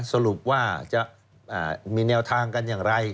สรุปว่าจะมีแนวทางกันอย่างไร